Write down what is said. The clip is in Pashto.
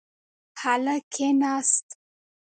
هلک کښېناست.